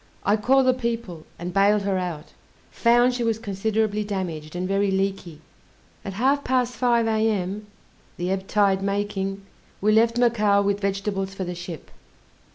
I called the people, and baled her out; found she was considerably damaged, and very leaky. At half past 5 A.M., the ebb tide making, we left Macao with vegetables for the ship.